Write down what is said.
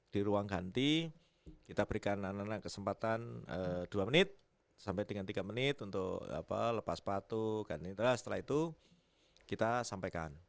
di ruang ganti kita berikan anak anak kesempatan dua menit sampai dengan tiga menit untuk lepas sepatu setelah itu kita sampaikan